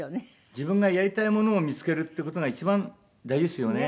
自分がやりたいものを見付けるっていう事が一番大事ですよね。